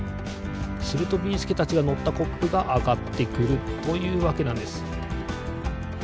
するとビーすけたちがのったコップがあがってくるというわけなんです。